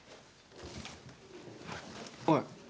おい。